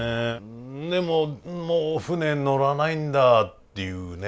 でももう船乗らないんだっていうね。